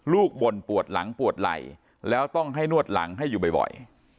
บ่นปวดหลังปวดไหล่แล้วต้องให้นวดหลังให้อยู่บ่อย